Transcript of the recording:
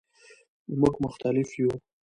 مونږ مختلف یو